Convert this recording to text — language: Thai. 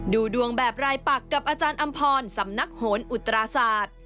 ดูดวงแบบรายปักกับอาจารย์อำพรสำนักโหนอุตราศาสตร์